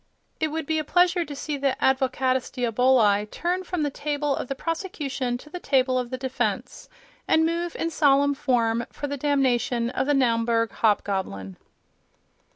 It would be a pleasure to see the Advocatus Diaboli turn from the table of the prosecution to the table of the defence, and move in solemn form for the damnation of the Naumburg hobgoblin....